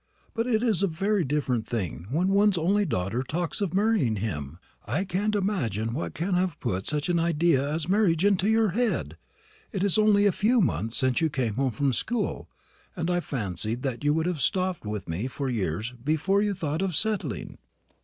But it is a very different thing when one's only daughter talks of marrying him. I can't imagine what can have put such an idea as marriage into your head. It is only a few months since you came home from school; and I fancied that you would have stopped with me for years before you thought of settling."